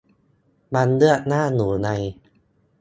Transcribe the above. มันเลือกหน้าอยู่ไง